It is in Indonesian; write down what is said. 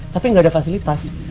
tapi tidak ada fasilitas